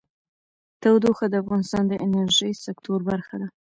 تودوخه د افغانستان د انرژۍ سکتور برخه ده.